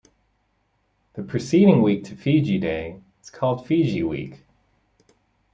The preceding week to Fiji Day is called Fiji Week.